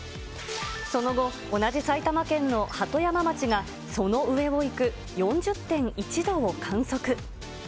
その後、同じ埼玉県の鳩山町が、その上をいく４０．１度を観測。